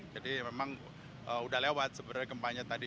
jadi memang udah lewat sebenarnya gempanya tadi